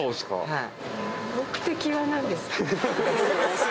はい。